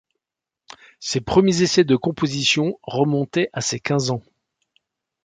Ses premiers essais de composition remontaient à ses quinze ans.